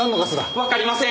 わかりません！